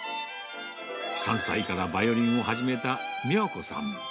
３歳からバイオリンを始めた三和子さん。